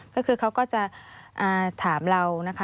ก็คือเขาก็จะถามเรานะคะ